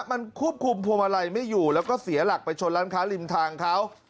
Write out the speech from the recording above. มันควบคุมพวงมาลัยไม่อยู่แล้วก็เสียหลักไปชนร้านค้าริมทางเขา